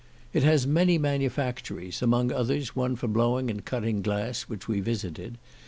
It has many manufactories, among others, one for blowing and cutting glass, which we visited.